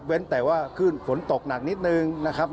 เว้นแต่ว่าฝนตกหนักนิดหนึ่งนะครับ